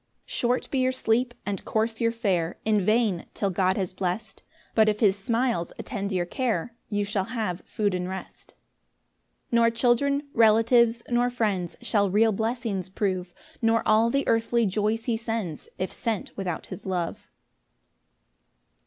3 Short be your sleep, and coarse your fare; In vain, till God has blest; But if his smiles attend your care, You shall have food and rest. 4 Nor children, relatives, nor friends Shall real blessings prove, Nor all the earthly joys he sends, If sent without his love.